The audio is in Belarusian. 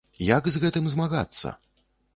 Як з гэтым змагацца?